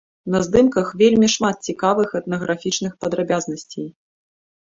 На здымках вельмі шмат цікавых этнаграфічных падрабязнасцей.